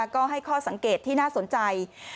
ก็ให้ข้อสังเกตที่น่าสนใจ